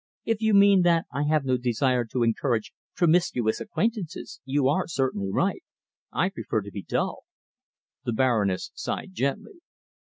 "If you mean that I have no desire to encourage promiscuous acquaintances, you are certainly right. I prefer to be dull." The Baroness sighed gently.